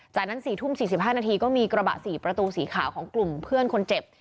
จากนั้น๔ทุ่ม๔๕นาทีก็มีกระบะ๔ประตูสีขาวของกลุ่มเพื่อนคนเจ็บ